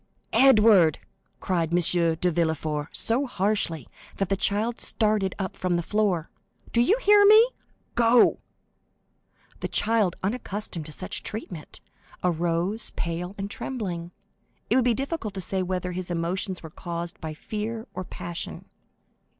"Edward," cried M. de Villefort, so harshly that the child started up from the floor, "do you hear me?—Go!" The child, unaccustomed to such treatment, arose, pale and trembling; it would be difficult to say whether his emotion were caused by fear or passion.